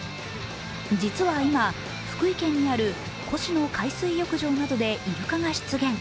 実は今、福井県にある越廼海水浴場などでイルカが出現。